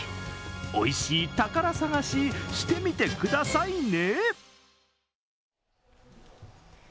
おいしい宝探し、してみてくださいね！